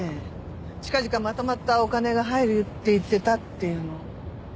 近々まとまったお金が入るって言ってたっていうのは。